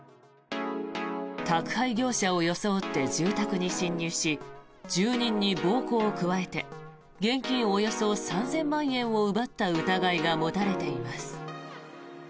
宅配業者を装って住宅に侵入し住人に暴行を加えて現金およそ３０００万円を奪った疑いが持たれています。